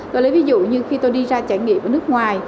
tôi lấy ví dụ như khi tôi đi ra trải nghiệm ở nước ngoài